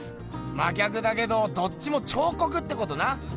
真逆だけどどっちも彫刻ってことな！